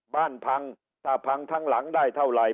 บ้านพังถ้าพังทั้งหลังได้เท่าไหร่